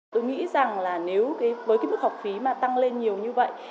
tôi nghĩ rằng là nếu với cái mức học phí mà tăng lên nhiều như vậy